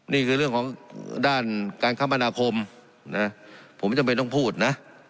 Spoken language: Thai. นี่คือเรื่องของด้านการคมนาคมนะผมจำเป็นต้องพูดนะ